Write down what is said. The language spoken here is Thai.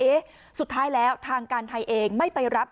สุดท้ายแล้วทางการไทยเองไม่ไปรับ